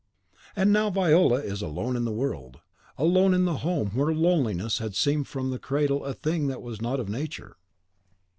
And now Viola is alone in the world, alone in the home where loneliness had seemed from the cradle a thing that was not of nature.